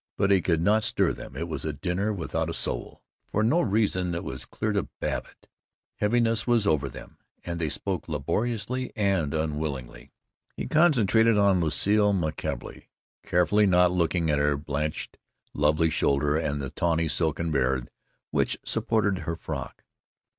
But he could not stir them. It was a dinner without a soul. For no reason that was clear to Babbitt, heaviness was over them and they spoke laboriously and unwillingly. He concentrated on Lucile McKelvey, carefully not looking at her blanched lovely shoulder and the tawny silken band which supported her frock.